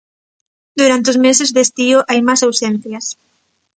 Durante os meses de estío hai máis ausencias.